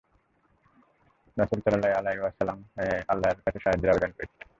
রাসূল সাল্লাল্লাহু আলাইহি ওয়াসাল্লাম আল্লাহর কাছে সাহায্যের আবেদন করেছিলেন।